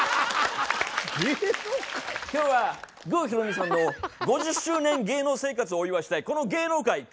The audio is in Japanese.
今日は郷ひろみさんの５０周年芸能生活をお祝いしてこの芸能界駆けつけました。